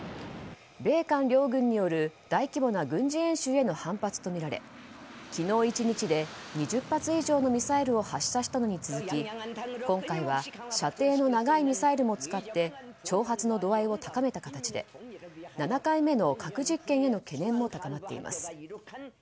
米韓両軍による、大規模な軍事演習への反発とみられ昨日１日で２０発以上のミサイルを発射したのに続き今回は射程の長いミサイルも使って挑発の度合いを高めた形で７回目の核実験への懸念も高まっています。